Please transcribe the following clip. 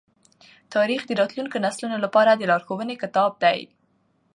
تاریخ د راتلونکو نسلونو لپاره د لارښوونې کتاب دی.